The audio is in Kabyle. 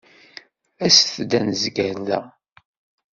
Aset-d ad nezger da.